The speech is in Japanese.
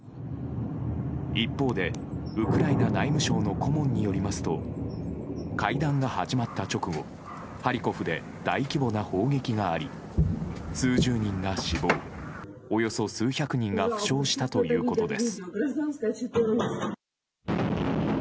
一方で、ウクライナ内務省の顧問によりますと会談が始まった直後ハリコフで大規模な砲撃があり数十人が死亡およそ数百人が負傷したということです。